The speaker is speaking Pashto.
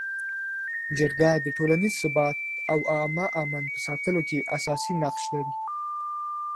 جرګه د ټولنیز ثبات او عامه امن په ساتلو کي اساسي نقش لري.